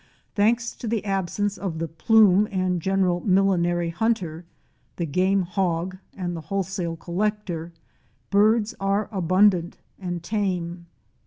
* Thanks to the absence of the plume and general millinery hunter, the game hog and the wholesale collector, birds are abundant and tame.